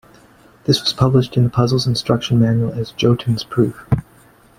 This was published in the puzzle's instruction manual as "Jotun's Proof".